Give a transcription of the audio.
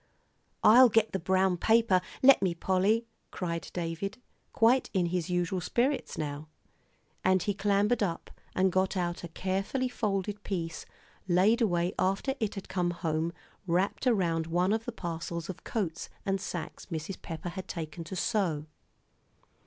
"I'll get the brown paper let me, Polly," cried David, quite in his usual spirits now. And he clambered up, and got out a carefully folded piece laid away after it had come home wrapped around one of the parcels of coats and sacks Mrs. Pepper had taken to sew.